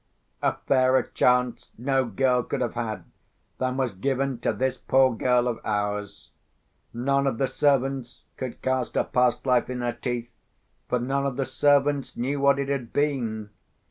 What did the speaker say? A fairer chance no girl could have had than was given to this poor girl of ours. None of the servants could cast her past life in her teeth, for none of the servants knew what it had been.